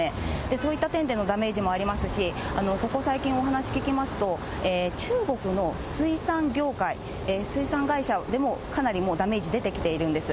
そういった点でのダメージもありますし、ここ最近お話聞きますと、中国の水産業界、水産会社でも、かなりもうダメージ出てきているんです。